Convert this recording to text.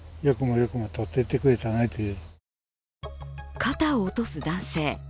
肩を落とす男性。